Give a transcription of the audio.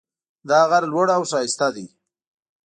دا غر لوړ او ښایسته ده